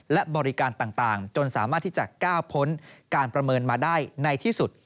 และบริการต่างจนสามารถที่จะก้าวพ้นการประเมินมาได้ในที่สุด